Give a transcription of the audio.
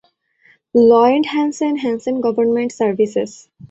লয়েন্ড Hansen, Hansen government services.